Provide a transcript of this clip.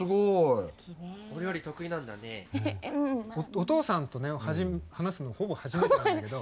お父さんと話すのほぼ初めてなんだけど。